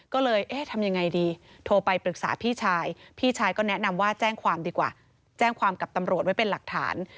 ก็เลยเอ๊ะทำยังไงดีโทรไปปรึกษาพี่ชายพี่ชายก็แนะนำว่าแจ้งความดีกว่าแจ้งความกับตำรวจไว้เป็นหลักฐาน